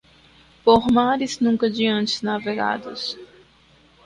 Por mares nunca de antes navegados